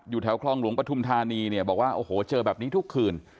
อยู่แถวคลองหลวงปะทุ่มธานีบอกว่าเจอแบบนี้ทุกคืน